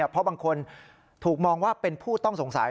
เพราะบางคนถูกมองว่าเป็นผู้ต้องสงสัย